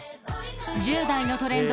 １０代のトレンド